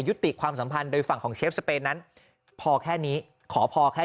ความสัมพันธ์โดยฝั่งของเชฟสเปนนั้นพอแค่นี้ขอพอแค่